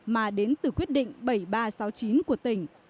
mà đến từ quyết định bảy nghìn ba trăm sáu mươi chín của tỉnh